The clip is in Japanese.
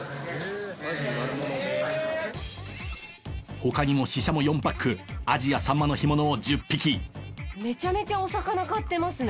他にもシシャモ４パックアジやサンマの干物を１０匹めちゃめちゃお魚買ってますね。